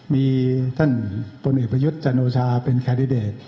มีท่านพลเอกประยุทธ์จันทร์โอชาเป็นแคดดาท